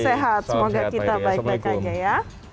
sehat semoga kita baik baik aja ya